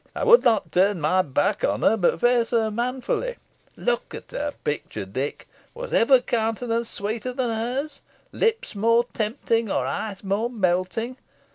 I would not turn my back on her, but face her manfully. Look at her picture, Dick. Was ever countenance sweeter than hers lips more tempting, or eyes more melting!